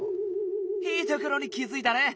いいところに気づいたね！